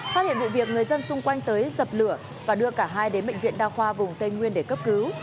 phát hiện vụ việc người dân xung quanh tới dập lửa và đưa cả hai đến bệnh viện đa khoa vùng tây nguyên để cấp cứu